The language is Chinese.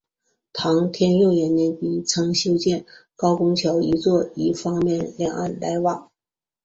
唐天佑年间曾修建高公桥一座以方便两岸来往。